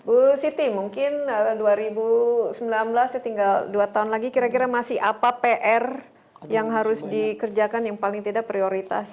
bu siti mungkin dua ribu sembilan belas ya tinggal dua tahun lagi kira kira masih apa pr yang harus dikerjakan yang paling tidak prioritas